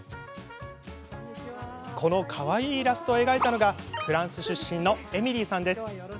このかわいいイラストを描いたのがフランス出身のエミリーさんです。